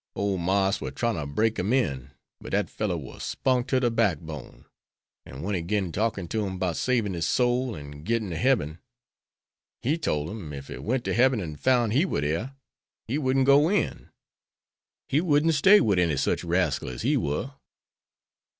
Old Marse war trying to break him in, but dat fellow war spunk to de backbone, an' when he 'gin talkin' to him 'bout savin' his soul an' gittin' to hebbin, he tole him ef he went to hebbin an' foun' he war dare, he wouldn't go in. He wouldn't stay wid any such rascal as he war."